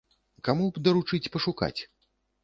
Каму б даручыць пашукаць?